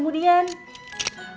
mungkin saja sekarang kita capek